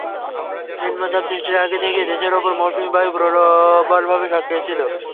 নিম্নচাপ সৃষ্টির আগে থেকেই দেশের ওপর মৌসুমি বায়ু প্রবলভাবে সক্রিয় ছিল।